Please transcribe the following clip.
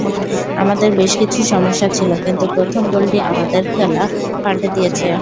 আমাদের বেশ কিছু সমস্যা ছিল, কিন্তু প্রথম গোলটি আমাদের খেলা পাল্টে দিয়েছে।